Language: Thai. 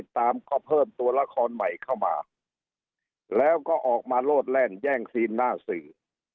ตามก็เพิ่มตัวละครใหม่เข้ามาแล้วก็ออกมาโลดแล่นแย่งซีนหน้าสื่อ